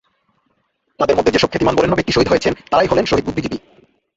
তাঁদের মধ্যে যেসব খ্যাতিমান-বরেণ্য ব্যক্তি শহীদ হয়েছেন, তাঁরাই হলেন শহীদ বুদ্ধিজীবী।